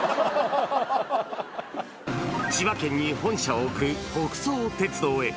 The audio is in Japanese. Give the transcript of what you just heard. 千葉県に本社を置く北総鉄道へ。